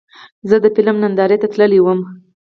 زه د فلم نندارې ته تللی وم.